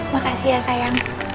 makasih ya sayang